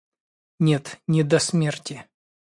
Нет, не до смерти